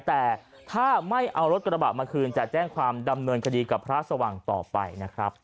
แต่ถ้าไม่เอารถกระบะมาคืนจะแจ้งความดำเนินคดีกับพระสว่างต่อไปนะครับ